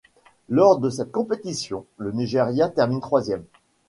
Lors de cette compétition, le Nigeria termine troisième.